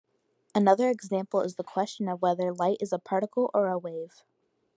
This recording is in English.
Another example is the question of whether light is a particle or a wave.